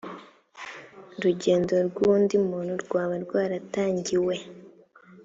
rugendo rw undi muntu rwaba rwaratangiwe